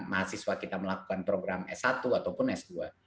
mahasiswa kita melakukan program s satu ataupun s dua